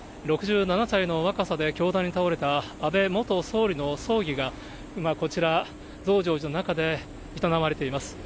６７歳の若さで凶弾に倒れた安倍元総理の葬儀が、今、こちら、増上寺の中で営まれています。